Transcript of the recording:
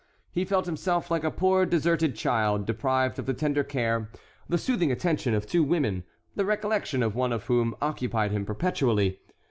He felt himself like a poor deserted child, deprived of the tender care, the soothing attention of two women, the recollection of one of whom occupied him perpetually.